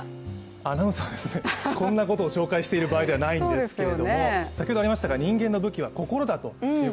アナウンサーです、こんなことを紹介している場合ではないんですけれども先ほどもありましたが、人間の武器は心だと。